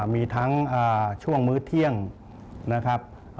มีทั้งช่วงมื้อเที่ยงนะครับ